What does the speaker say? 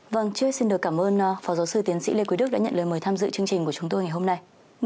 vâng trước xin được cảm ơn phó giáo sư tiến sĩ lê quý đức đã nhận lời mời tham dự chương trình của chúng tôi ngày hôm nay